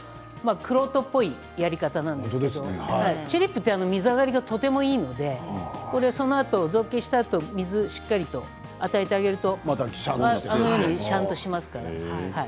玄人っぽいやり方なんですけれどもチューリップって水上がりがとてもいいのでその後を造形したあと水をしっかりと与えてあげるとしゃんとします。